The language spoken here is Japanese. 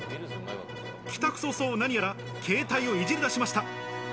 帰宅早々、何やら携帯をいじりだしました。